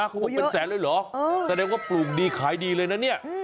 เขาบอกเป็นแสนเลยเหรอแสดงว่าปลูกดีขายดีเลยนะเนี่ย